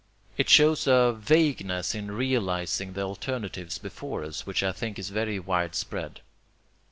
It shows a vagueness in realizing the alternatives before us which I think is very widespread.